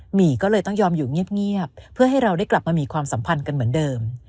หมีก็เลยต้องยอมอยู่เงียบเพื่อให้เราได้กลับมามีความสัมพันธ์กันเหมือนเดิม